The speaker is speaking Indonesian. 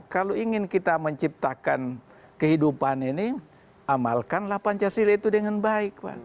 kalau ingin kita menciptakan kehidupan ini amalkanlah pancasila itu dengan baik